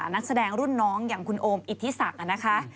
นักแสดงรุ่นน้องอย่างคุณโอมอิทธิศักดิ์นะคะ